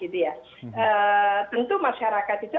tentu masyarakat itu